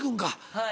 はい。